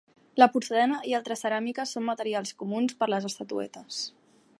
La porcellana i altres ceràmiques són materials comuns per a les estatuetes.